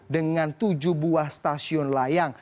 dengan tujuh buah stasiun layang